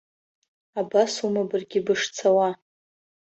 Абасоума баргьы бышцауа?